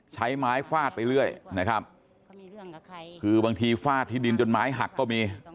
ใช้ไม้ฟาดไปเรื่อยนะครับคือบางทีฟาดที่ดินจนไม้หักก็มี